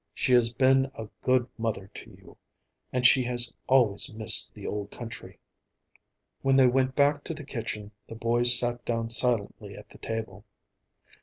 She has been a good mother to you, and she has always missed the old country." When they went back to the kitchen the boys sat down silently at the table.